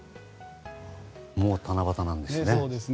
もう七夕なんですね。